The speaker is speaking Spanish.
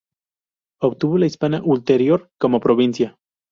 Obtuvo la Hispania Ulterior como provincia.